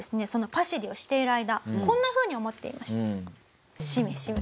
パシリをしている間こんなふうに思っていました。